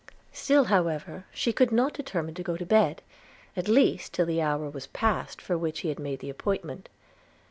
Still however she could not determine to go to bed, at least till the hour was past for which he had made the appointment.